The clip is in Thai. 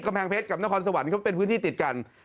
แพงเพชรกับนครสวรรค์เขาเป็นพื้นที่ติดกัน